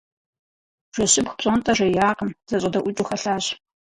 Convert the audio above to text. Жэщыбг пщӏондэ жеякъым - зэщӏэдэӏукӏыу хэлъащ.